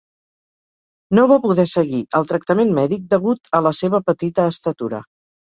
No va poder seguir el tractament mèdic degut a la seva petita estatura.